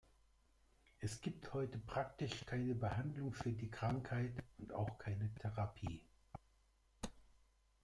Es gibt heute praktisch keine Behandlung für die Krankheit und auch keine Therapie.